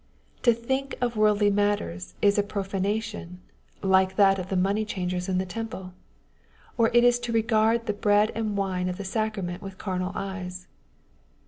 To think of worldly matters is a profanation, like that of the money changers in the Temple ; or it is to regard the bread and wine of the Sacrament with carnal eyes.